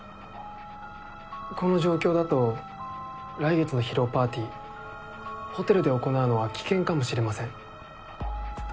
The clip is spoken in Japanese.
この状況だと来月の披露パーティーホテルで行うのは危険かもしれません。